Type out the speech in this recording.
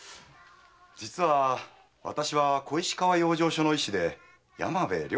実は私は小石川養生所の医師で山辺涼